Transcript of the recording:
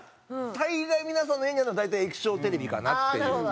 大概皆さんの家にあるのは大体液晶テレビかなっていう。